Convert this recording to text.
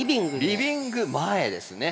リビング前ですね。